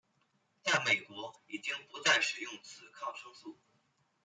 在美国已经不再使用此抗生素。